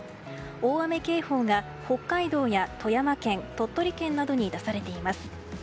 大雨警報が北海道や富山県、鳥取県などに出されています。